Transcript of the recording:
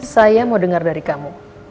saya mau dengar dari kamu